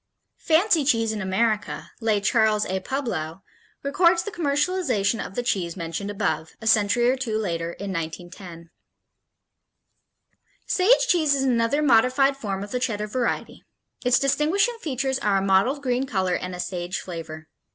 Fancy Cheese in America, lay Charles A. Publow, records the commercialization of the cheese mentioned above, a century or two later, in 1910: Sage cheese is another modified form of the Cheddar variety. Its distinguishing features are a mottled green color and a sage flavor.